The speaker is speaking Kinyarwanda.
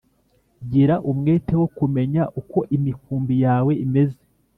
gira umwete wo kumenya uko imikumbi yawe imeze